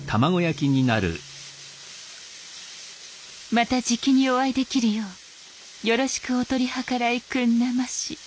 またじきにお会いできるようよろしくお取り計らいくんなまし。